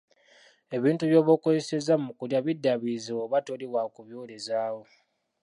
Ebintu by‘oba okozesezza mu kulya biddaabirize bw‘oba toli wa kuby‘olezaawo.